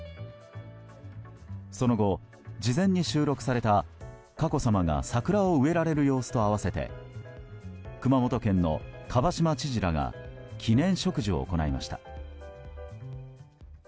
その後、事前に収録された佳子さまが桜を植えられる様子と合わせて熊本県の蒲島知事らが記念植樹を行いました。